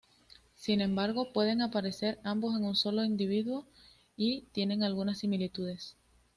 Sin embargo, pueden aparecer ambos en un solo individuo y tienen algunas similitudes.